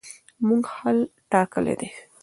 موږ حل ټاکلی دی.